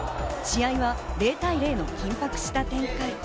試合は０対０と緊迫した展開。